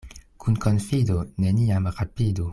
Kun konfido neniam rapidu.